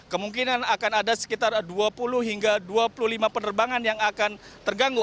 kemungkinan akan ada sekitar dua puluh hingga dua puluh lima penerbangan yang akan terganggu